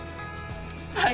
はい！